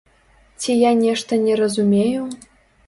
Ці я нешта не разумею?